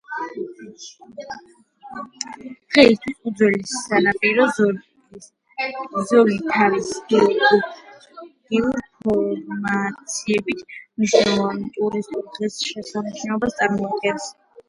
დღეისათვის, უძველესი სანაპირო ზოლი თავის გეოლოგიური ფორმაციებით მნიშვნელოვან ტურისტულ ღირსშესანიშნაობას წარმოადგენს.